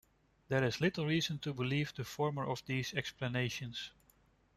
There is little reason to believe the former of these explanations.